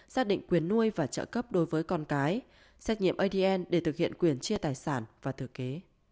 xác định quyền nuôi và trợ cấp đối với con cái xét nghiệm adn để thực hiện quyền chia tài sản và thừa kế